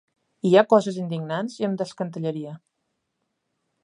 Hi ha coses indignants i em descantellaria.